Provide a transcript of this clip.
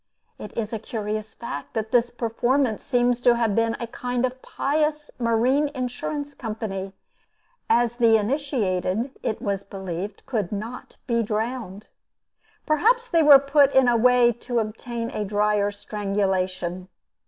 It is a curious fact, that this performance seems to have been a kind of pious marine insurance company; as the initiated, it was believed, could not be drowned. Perhaps they were put in a way to obtain a drier strangulation.